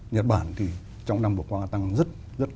nhật bản thì trong năm vừa qua tăng rất rất lớn